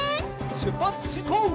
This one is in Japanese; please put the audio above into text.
しゅっぱつしんこう！